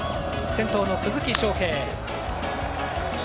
先頭の鈴木将平。